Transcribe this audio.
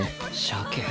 しゃけ。